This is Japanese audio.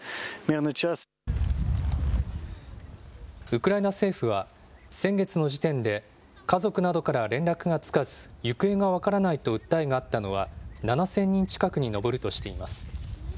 ウクライナ政府は、先月の時点で家族などから連絡がつかず、行方が分からないと訴えがあったのは、７０００人近くに上るとしています。